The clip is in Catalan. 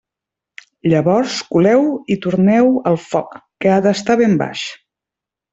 Llavors coleu-ho i torneu-ho al foc, que ha d'estar ben baix.